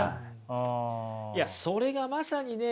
いやそれがまさにね